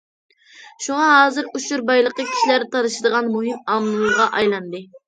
شۇڭا ھازىر ئۇچۇر بايلىقى كىشىلەر تالىشىدىغان مۇھىم ئامىلغا ئايلاندى.